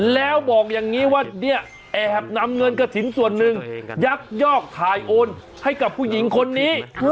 แล้วบอกอย่างนี้ว่าเนี่ยแอบนำเงินกระถิ่นส่วนหนึ่งยักยอกถ่ายโอนให้กับผู้หญิงคนนี้